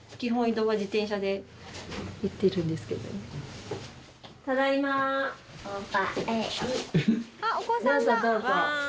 どうぞどうぞ。